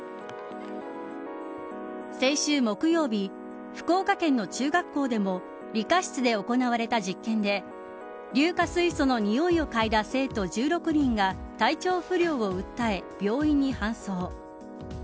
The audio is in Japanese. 先週木曜日、福岡県の中学校でも理科室で行われた実験で硫化水素の臭いをかいだ生徒１６人が体調不良を訴え、病院に搬送。